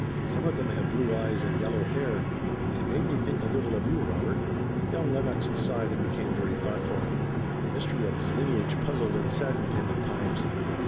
Some of them had blue eyes and yellow hair, and they made me think a little of you, Robert." Young Lennox sighed and became very thoughtful. The mystery of his lineage puzzled and saddened him at times.